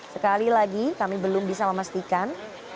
sekali lagi kami belum bisa memastikan